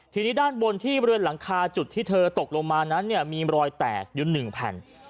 ทีนี้ด้านบนที่บริเวณหลังคาจุดที่เธอตกลงมานั้นเนี่ยมีรอยแตกอยู่๑แผ่น